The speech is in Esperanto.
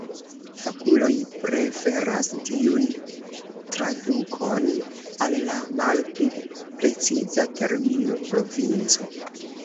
Fakuloj preferas tiun tradukon al la malpli preciza termino provinco.